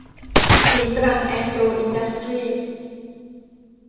ศรีตรังแอโกรอินดัสทรี